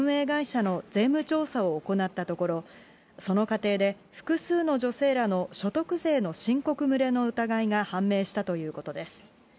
会社の税務調査を行ったところ、その過程で、複数の女性らの所得税の申告漏れの疑いが判明したということです。